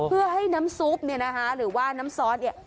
เพื่อให้น้ำซุปเนี่ยนะคะหรือว่าน้ำซอสเนี่ย